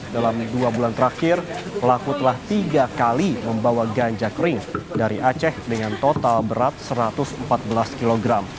dalam dua bulan terakhir pelaku telah tiga kali membawa ganja kering dari aceh dengan total berat satu ratus empat belas kg